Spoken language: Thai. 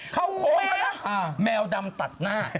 เขาโขงไม่น่ะแมวดำตัดหน้า